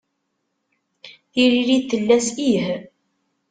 Tiririt tella s ih.